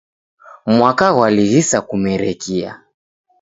Mwaka ghwalighisa kumerekia.